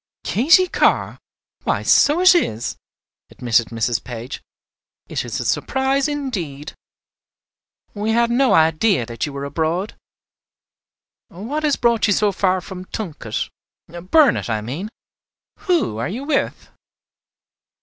"Katy Carr! why, so it is," admitted Mrs. Page. "It is a surprise indeed. We had no idea that you were abroad. What has brought you so far from Tunket, Burnet, I mean? Who are you with?"